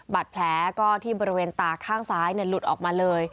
บาดแผลก็ที่บริเวณตาข้างซ้ายหลุดออกมาเลย